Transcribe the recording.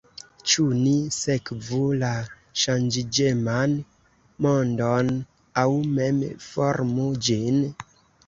Ĉu ni sekvu la ŝanĝiĝeman mondon aŭ mem formu ĝin?